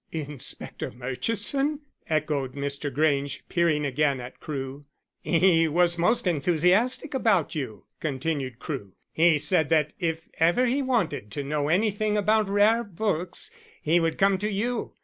"Inspector Murchison?" echoed Mr. Grange peering again at Crewe. "He was most enthusiastic about you," continued Crewe. "He said that if ever he wanted to know anything about rare books he would come to you.